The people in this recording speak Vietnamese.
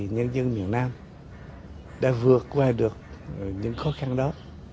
nhân dân miền nam đã vượt qua được những khó khăn đó